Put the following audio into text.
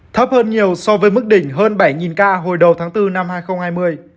thấp hơn nhiều so với mức đỉnh hơn bảy ca hồi đầu tháng bốn năm hai nghìn hai mươi